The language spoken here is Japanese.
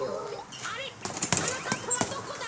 あれっはなかっぱはどこだ？